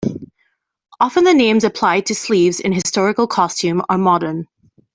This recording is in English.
Often the names applied to sleeves in historical costume are modern.